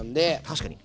確かに。